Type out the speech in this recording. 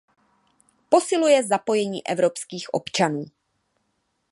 Posiluje zapojení evropských občanů.